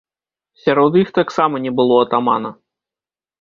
Сярод іх таксама не было атамана.